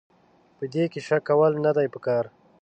په دې کې شک کول نه دي پکار.